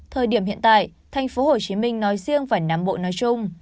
thời điểm hiện tại thành phố hồ chí minh nói riêng và nam bộ nói chung